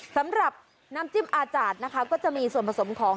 สำหรับน้ำจิ้มอาจารย์นะคะก็จะมีส่วนผสมของ